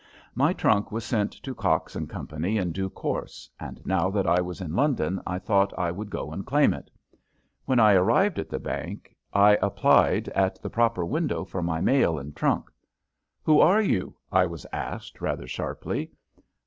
My trunk was sent to Cox & Co. in due course, and now that I was in London I thought I would go and claim it. When I arrived in the bank I applied at the proper window for my mail and trunk. "Who are you?" I was asked, rather sharply.